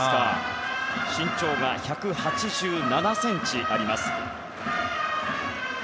身長が１８７ｃｍあります。